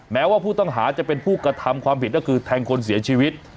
แม้ว่าผู้ต้องหาจะเป็นผู้กระทำความผิดก็คือแทงคนเสียชีวิต